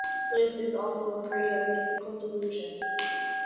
Liz is also a prey to mystical delusions.